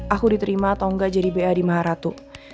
aku diterima atau enggak jadi b a di maharatu